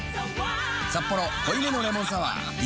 「サッポロ濃いめのレモンサワー」リニューアル